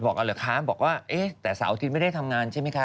เหรอคะบอกว่าเอ๊ะแต่เสาร์อาทิตย์ไม่ได้ทำงานใช่ไหมคะ